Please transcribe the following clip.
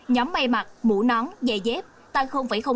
nhóm may mặt mũ nón dạy dép tăng bảy